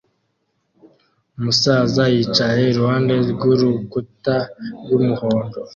Umusaza yicaye iruhande rw'urukuta rw'umuhondo